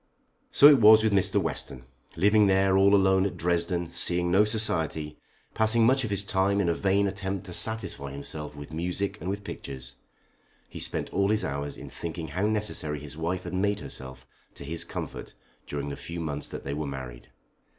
So it was with Mr. Western. Living there all alone at Dresden, seeing no society, passing much of his time in a vain attempt to satisfy himself with music and with pictures, he spent all his hours in thinking how necessary his wife had made herself to his comfort during the few months that they were married.